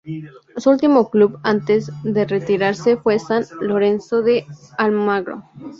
Su último club antes de retirarse fue San Lorenzo de Almagro.